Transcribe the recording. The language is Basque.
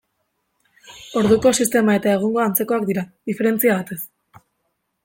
Orduko sistema eta egungoa antzekoak dira, diferentzia batez.